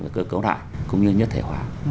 và cơ cấu đại cũng như nhất thể hóa